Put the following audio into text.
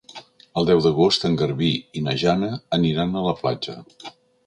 El deu d'agost en Garbí i na Jana aniran a la platja.